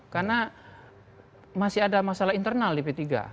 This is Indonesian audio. karena masih ada masalah internal di p tiga